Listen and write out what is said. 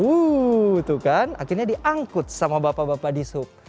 wuuuh tuh kan akhirnya diangkut sama bapak bapak disup